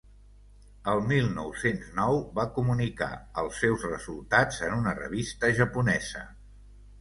El mil nou-cents nou va comunicar els seus resultats en una revista japonesa.